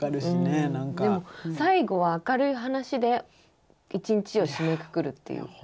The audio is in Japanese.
でも最後は明るい話で１日を締めくくるっていう。